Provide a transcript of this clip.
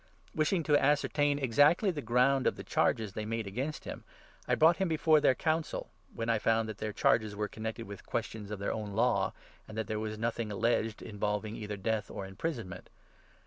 Wish 28 ing to ascertain exactly the ground of the charges they made against him, I brought him before their Council, when I found that their charges were connected with 29 questions of their own Law, and that there was noth ing alleged involving either death or imprisonment.